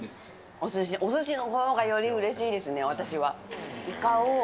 おすし、おすしのほうがよりうれしいですね、私は。